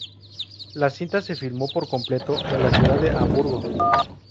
La cinta se filmó por completo en la ciudad de Hamburgo.